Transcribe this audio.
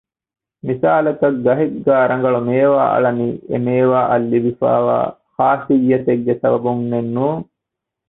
މިސާލަކަށް ގަހެއްގައި ރަނގަޅު މޭވާ އަޅަނީ އެ މޭވާ އަށް ލިބިފައިވާ ޚާޞިއްޔަތެއްގެ ސަބަބުންނެއް ނޫން